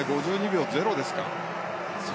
５２秒０ですか。